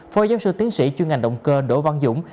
phó giáo sư tiến sĩ chuyên ngành động cơ đỗ văn dũng